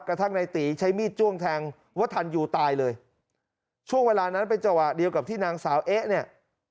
กระทั่งในตีใช้มีดจ้วงแทงวัฒนยูตายเลยช่วงเวลานั้นเป็นจังหวะเดียวกับที่นางสาวเอ๊ะเนี่ย